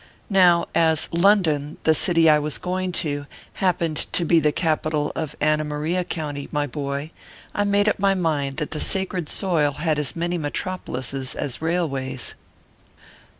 Now, as London, the city I was going to, happened to the capital of Anna Maria County, my boy, I made up my mind that the sacred soil had as many metropolises as railways.